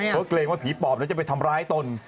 เพราะเกรงว่าผีปอบแล้วจะไปทำร้ายตน